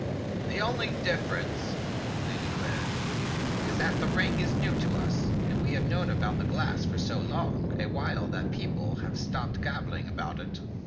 "The only difference," they declared, " is that the ring is new to us and we have known about the glass for so long a while that people have stopped gabbling about it.